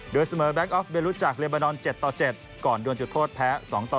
โดยเสมอแบงคออฟเบรุจากเลบานอน๗ต่อ๗ก่อนโดนจุดโทษแพ้๒ต่อ